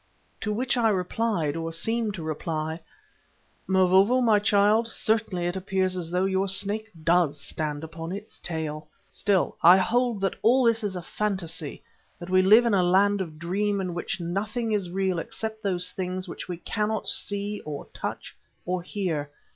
To which I replied, or seemed to reply: "Mavovo, my child, certainly it appears as though your Snake does stand upon its tail. Still, I hold that all this is a phantasy; that we live in a land of dream in which nothing is real except those things which we cannot see or touch or hear.